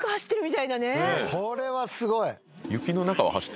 これはすごい！